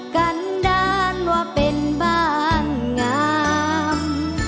กันด้านว่าเป็นบ้านงาม